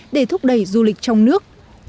để thúc đẩy du lịch trong nước